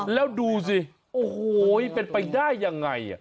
แล้วดูสิโอ้โหเป็นไปได้ยังไง